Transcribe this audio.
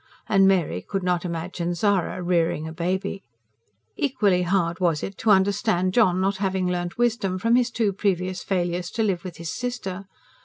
And Mary could not imagine Zara rearing a baby. Equally hard was it to understand John not having learnt wisdom from his two previous failures to live with his sister.